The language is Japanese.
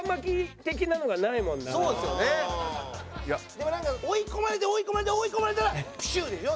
でもなんか追い込まれて追い込まれて追い込まれたらプシューでしょ？